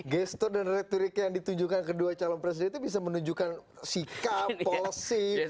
gestur dan retorika yang ditunjukkan kedua calon presiden itu bisa menunjukkan sikap polsi